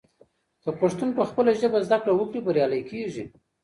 که پښتون پخپله ژبه زده کړه وکړي، بریالی کیږي.